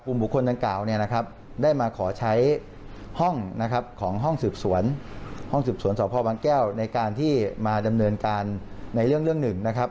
กลุ่มบุคคลตั้งกล่าวได้มาขอใช้ห้องของห้องสืบสวนห้องสืบสวนศภบางแก้วในการที่มาดำเนินการในเรื่องหนึ่ง